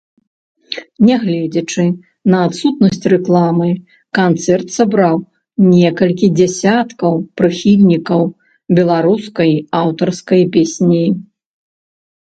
Нягледзячы на адсутнасць рэкламы, канцэрт сабраў некалькі дзесяткаў прыхільнікаў беларускай аўтарскай песні.